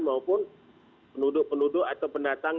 maupun penduduk penduduk atau pendatang